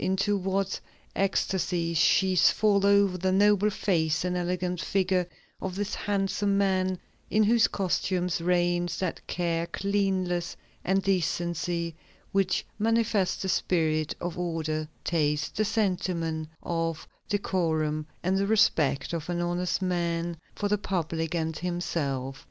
Into what ecstasies she falls over the noble face and elegant figure of this handsome man, in whose costume "reigns that care, cleanliness, and decency which manifest the spirit of order, taste, the sentiment of decorum, and the respect of an honest man for the public and himself"!